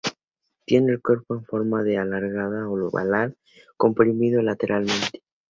Tiene el cuerpo en forma alargada-oval, comprimido lateralmente.